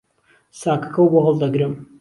ساکهکهو بۆ ههڵدهگرم